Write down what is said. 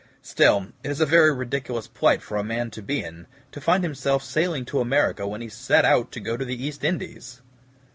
Still, it is a very ridiculous plight for a man to be in, to find himself sailing to America when he set out to go to the East Indies!"